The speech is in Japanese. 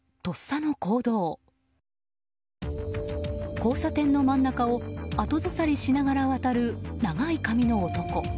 交差点の真ん中を後ずさりしながら渡る長い髪の男。